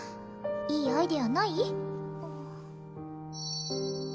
いいアイディアない？